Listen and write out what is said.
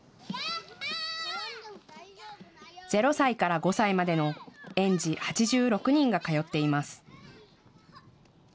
０歳から５歳までの園児８６人が通っています。